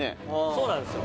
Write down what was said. そうなんですよ